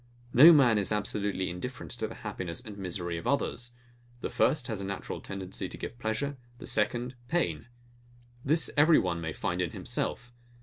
No man is absolutely indifferent to the happiness and misery of others. The first has a natural tendency to give pleasure; the second, pain. This every one may find in himself.